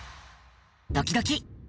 ドキドキ。